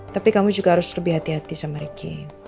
tapi kamu juga harus lebih hati hati sama ricky